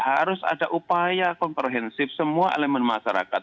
harus ada upaya komprehensif semua elemen masyarakat